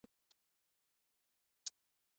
ارزښتونه په دریو کټګوریو ویشل کېږي.